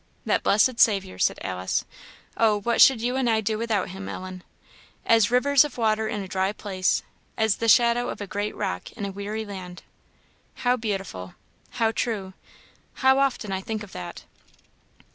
That blessed Saviour!" said Alice "oh, what should you and I do without him, Ellen? 'as rivers of waters in a dry place; as the shadow of a great rock in a weary land;' how beautiful how true! how often I think of that!"